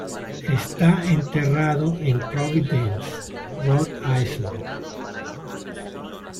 Está enterrado en Providence, Rhode Island.